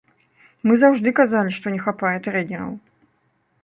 Мы заўжды казалі, што не хапае трэнераў.